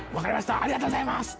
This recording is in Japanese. ありがとうございます！